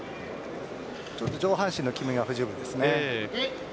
上半身の決めが不十分ですね。